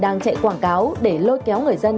đang chạy quảng cáo để lôi kéo người dân